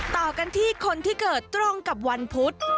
ต่อกันที่คนที่เกิดตรงกับวันพุธ